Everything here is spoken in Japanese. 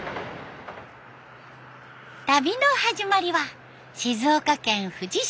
旅の始まりは静岡県富士市。